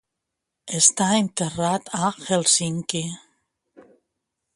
Està enterrat a Hèlsinki.